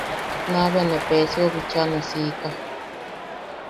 Naa bea ne Peesiou bicha ne siika.